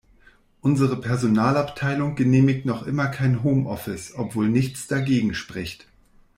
Unsere Personalabteilung genehmigt noch immer kein Home-Office, obwohl nichts dagegen spricht.